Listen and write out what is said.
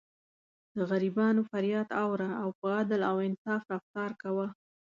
د غریبانو فریاد اوره او په عدل او انصاف رفتار کوه.